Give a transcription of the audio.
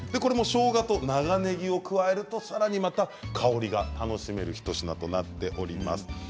しょうがと長ねぎを加えるとさらに、また香りが楽しめる一品となっております。